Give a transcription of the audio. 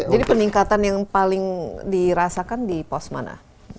jadi peningkatan yang paling dirasakan di pos mana